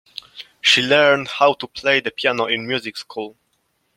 She learned how to play the piano in music school.